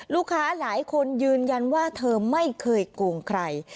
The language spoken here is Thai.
ลูกค้าหลายคนยืนยันว่าเธอไม่เคยโกงใคร